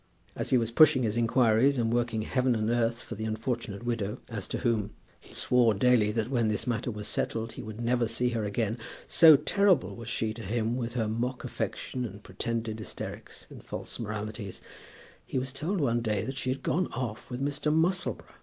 As he was pushing his inquiries, and working heaven and earth for the unfortunate widow, as to whom he swore daily that when this matter was settled he would never see her again, so terrible was she to him with her mock affection and pretended hysterics, and false moralities, he was told one day that she had gone off with Mr. Musselboro!